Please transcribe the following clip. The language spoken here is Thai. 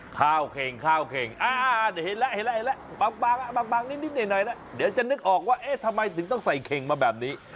ข้าวเครงเห็นแล้วบางนิดหน่อยแล้วเดี๋ยวจะนึกออกว่าเอ๊ะทำไมถึงต้องใส่เครงมาแบบนี้